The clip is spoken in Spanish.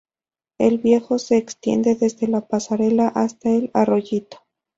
El "Viejo" se extiende desde la pasarela hasta el "Arroyito".